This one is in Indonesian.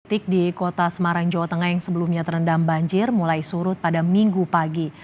titik di kota semarang jawa tengah yang sebelumnya terendam banjir mulai surut pada minggu pagi